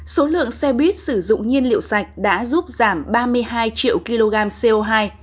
số lượng xe buýt sử dụng nhiên liệu sạch đã giúp giảm ba mươi hai triệu kg co hai